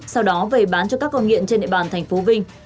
sau đó về bán cho các con nghiện trên địa bàn tp vinh